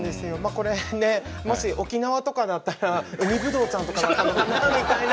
これねもし沖縄とかだったら「海ぶどうちゃん」とかだったのかな？みたいな。